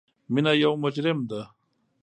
مینه یو مجرم ده